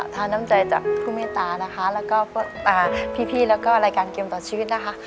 ทานน้ำใจจากผู้เมตตานะคะแล้วก็พี่แล้วก็รายการเกมต่อชีวิตนะคะ